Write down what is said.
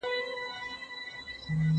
غوټه چي په لاس خلاصېږي، غاښ ته څه حاجت دئ؟